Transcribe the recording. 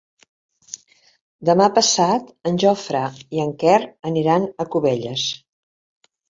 Demà passat en Jofre i en Quer aniran a Cubelles.